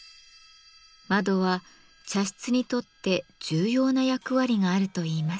窓は茶室にとって重要な役割があるといいます。